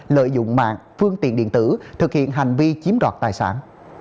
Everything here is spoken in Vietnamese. lợi dụng mạng phương tiện điện tử thực hiện hành vi chiếm đoạt tài sản